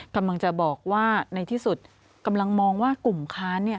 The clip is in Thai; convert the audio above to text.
กำลังจะบอกว่าในที่สุดกำลังมองว่ากลุ่มค้าน